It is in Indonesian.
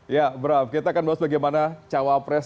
ya braf kita akan bahas bagaimana cawapres